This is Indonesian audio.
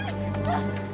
enggak kamu mau makan